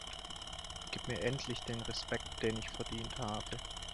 Gib mir endlich den Respekt den ich verdient habe!